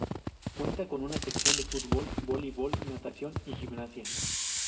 Cuenta con una sección de fútbol, voleibol, natación y gimnasia.